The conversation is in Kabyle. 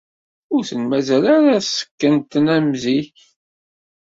Ur ten-mazal ara ṣekken-ten am zik.